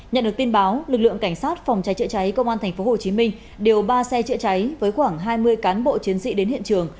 nhận được tin báo lực lượng cảnh sát phòng trái trợ cháy công an tp hcm đều ba xe trợ cháy với khoảng hai mươi cán bộ chiến sĩ đến hiện trường